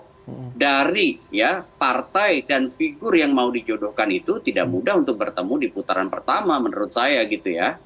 nah dari ya partai dan figur yang mau dijodohkan itu tidak mudah untuk bertemu di putaran pertama menurut saya gitu ya